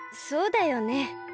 そうだよね。